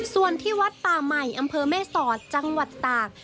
ส่วนที่วัดป่าใหม่อำเภอแม่สอดจังหวัดตาก